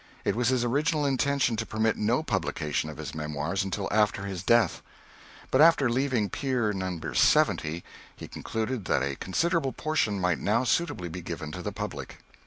It was his original intention to permit no publication of his memoirs until after his death; but, after leaving "Pier No. 70," he concluded that a considerable portion might now suitably be given to the public.